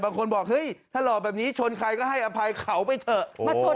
บางคนบอกเฮ้ยถ้าหล่อแบบนี้ชนใครก็ให้อภัยเขาไปเถอะมาชน